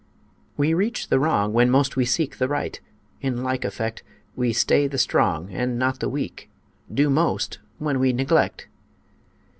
We reach the wrong when most we seek The right; in like effect, We stay the strong and not the weak Do most when we neglect.